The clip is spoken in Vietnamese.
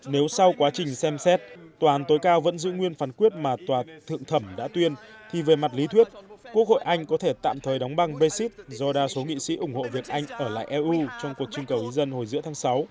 nếu sau quá trình xem xét tòa án tối cao vẫn giữ nguyên phản quyết mà tòa thượng thẩm đã tuyên thì về mặt lý thuyết quốc hội anh có thể tạm thời đóng băng brexit do đa số nghị sĩ ủng hộ việt anh ở lại eu trong cuộc trình cầu dân hồi giữa tháng sáu